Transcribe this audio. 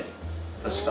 確か。